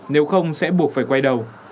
nếu không sẽ buộc phải quay đầu